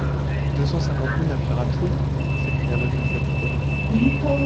Deux cent cinquante milles à faire à pied! s’écria le jeune capitaine.